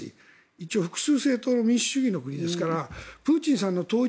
一応、複数政党の民主主義の国ですからプーチンさんの統一